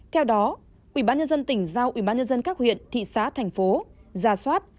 theo đó ubnd tỉnh giao ubnd các huyện thị xã thành phố gia soát